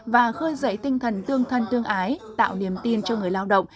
và khơi dậy tinh thần tương thân tương ái tạo niềm tin cho người lao động